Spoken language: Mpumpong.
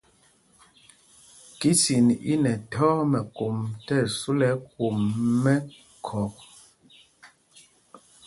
Kisin i nɛ thɔɔ mɛkom tí ɛsu lɛ ɛkwom mɛkhɔk.